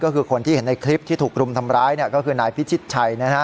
คนที่เห็นในคลิปที่ถูกกลุ่มทำร้ายก็คือนายพิษชิตชัย